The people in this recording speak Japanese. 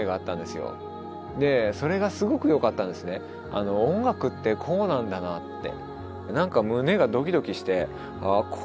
あの音楽ってこうなんだなって。